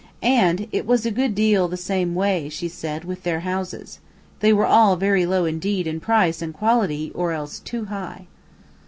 And it was a good deal the same way, she said, with their houses. They were all very low indeed in price and quality, or else too high.